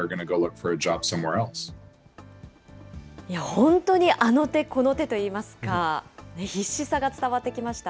本当にあの手この手といいますか、必死さが伝わってきました。